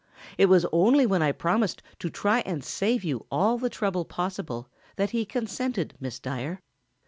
It was only when I promised to try and save you all the trouble possible that he consented, Miss Dyer.